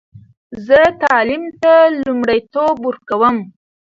زه تعلیم ته لومړیتوب ورکوم.